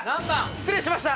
失礼しました